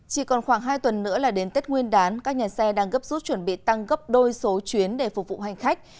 chỉ còn khoảng hai tuần nữa là đến tết nguyên đán các nhà xe đang gấp rút chuẩn bị tăng gấp đôi số chuyến để phục vụ hành khách